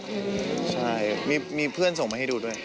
ใช่มีเพื่อนส่งมาให้ดูด้วย